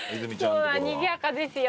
そうにぎやかですよ。